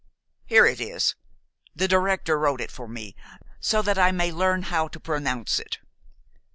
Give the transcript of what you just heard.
"Here it is. The director wrote it for me, so that I may learn how to pronounce it."